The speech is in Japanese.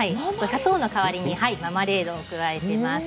砂糖の代わりにマーマレードを加えています。